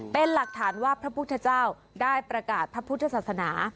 เป็นหลักฐานว่าพระพุทธเจ้าได้ประกาศพระพุทธศาสนา